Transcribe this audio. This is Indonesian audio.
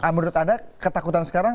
menurut anda ketakutan sekarang